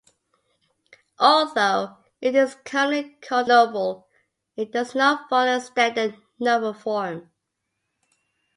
Although it is commonly called a novel, it does not follow standard novel form.